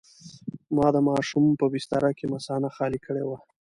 ما د ماشوم په بستره کې مثانه خالي کړې وه.